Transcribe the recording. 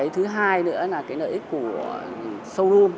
thứ hai nữa là nợ ích của showroom